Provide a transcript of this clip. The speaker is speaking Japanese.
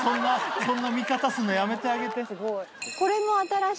そんな見方すんのやめてあげて。